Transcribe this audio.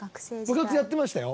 部活やってましたよ。